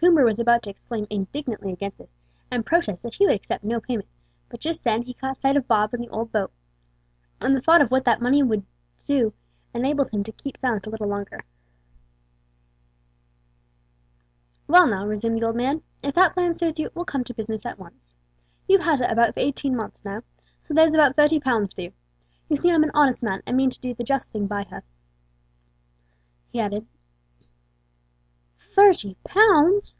Coomber was about to exclaim indignantly against this, and protest that he would accept no payment; but just then he caught sight of Bob and the old boat, and the thought of what that money would enable him to do kept him silent a little longer. "Well now," resumed the old man, "if that plan suits you, we'll come to business at once. You've had her about eighteen months now, so there's about thirty pounds due. You see I'm an honest man, and mean to do the just thing by her," he added. "Thirty pounds!"